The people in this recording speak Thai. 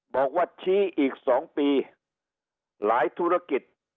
บอกว่าชี้อีก๒ปีหลายธุรกิจ